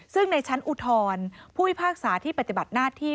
ซึ่งในชั้นอุทธรณ์ผู้พิพากษาที่ปฏิบัติหน้าที่